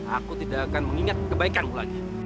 aku tidak akan mengingat kebaikanmu lagi